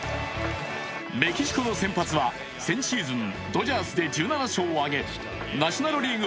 メキシコの先発は先シーズン、ドジャースで１７勝を挙げナショナル・リーグ